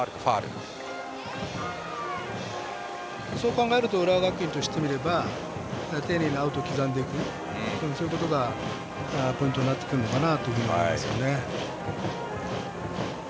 そう考えると浦和学院としてみれば丁寧にアウトを刻んでいくということがポイントになってくるのかなと思います。